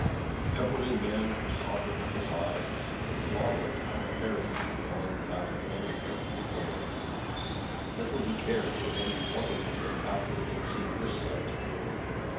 Every man that saw her with his eyes, marvelled at a fairness beyond that of any earthly woman. Little he cared for any mortal maiden, after he had seen this sight.